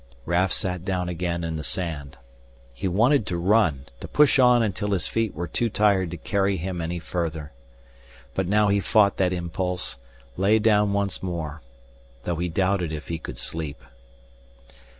Raf sat down again in the sand. He wanted to run, to push on until his feet were too tired to carry him any farther. But now he fought that impulse, lay down once more. Though he doubted if he could sleep.